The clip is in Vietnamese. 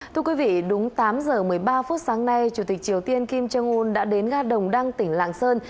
thưa quý vị đúng tám giờ một mươi ba phút sáng nay chủ tịch triều tiên kim jong un đã đến ga đồng đăng tỉnh lạng sơn